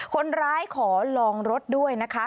คนร้ายขอลองรถด้วยนะคะ